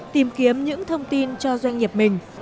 tìm kiếm những thông tin cho doanh nghiệp mình